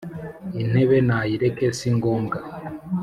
intebe nayireke si ngombwa